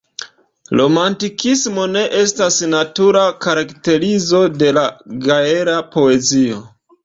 Romantikismo ne estas natura karakterizo de la gaela poezio.